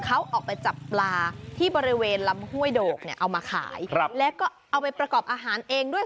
เขาออกไปจับปลาที่บริเวณลำห้วยโดกเนี่ยเอามาขายแล้วก็เอาไปประกอบอาหารเองด้วย